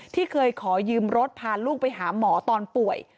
ที่เคยขอยืมรถพาลูกไปหาหมอตอนป่วย